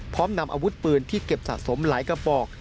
พร้อมนำอาวุธปืนที่เก็บสะสมหลายกระบอก